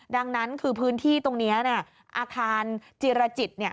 ดังนั้นคือพื้นที่ตรงนี้อาคารจิรจิต